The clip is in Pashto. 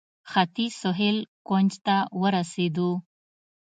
ختیځ سهیل کونج ته ورسېدو.